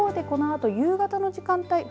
この夕方の時間帯